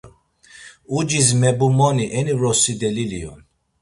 Ucis mebumoni eni vrosi delili on.